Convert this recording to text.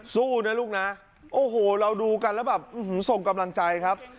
สู้นะลูกนะโอ้โหเราดูกันแล้วแบบส่งกำลังใจครับ